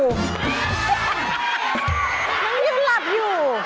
มันยังหยุดหลับอยู่